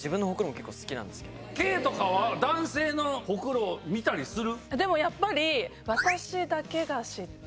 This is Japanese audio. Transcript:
ケイとかは男性のホクロ見たりする？